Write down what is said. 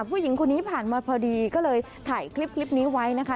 ผู้หญิงคนนี้ผ่านมาพอดีก็เลยถ่ายคลิปนี้ไว้นะคะ